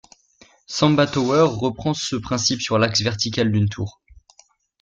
Samba Tower reprend ce principe sur l'axe vertical d'une tour.